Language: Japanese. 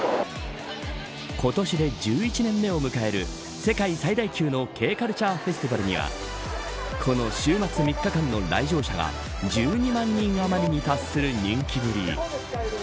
今年で１１年目を迎える世界最大級のＫカルチャーフェスティバルにはこの週末３日間の来場者が１２万人余りに達する人気ぶり。